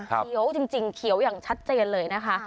เขียวจริงเขียวอย่างชัดเจนเลยนะคะ